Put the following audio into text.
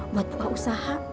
buat buka usaha